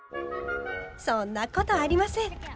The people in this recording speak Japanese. そんなことありません。